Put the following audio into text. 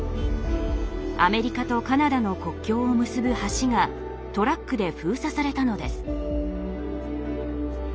アメリカとカナダの国境を結ぶ橋がトラックで封鎖されたのです。